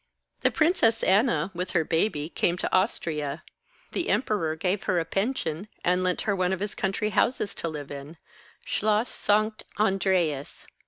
The Princess Anna, with her baby, came to Austria. The Emperor gave her a pension, and lent her one of his country houses to live in Schloss Sanct Andreas.